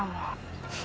dia nggak tahu kita siapa